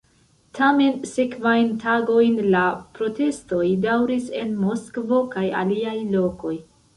Tamen sekvajn tagojn la protestoj daŭris en Moskvo kaj aliaj lokoj.